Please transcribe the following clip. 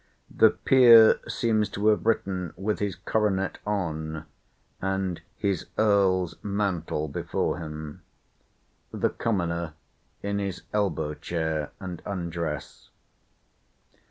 The peer seems to have written with his coronet on, and his Earl's mantle before him; the commoner in his elbow chair and undress.